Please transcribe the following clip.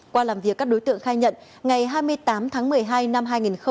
qua làm việc các đối tượng khai nhận ngày hai mươi tám tháng một mươi hai năm hai nghìn một mươi chín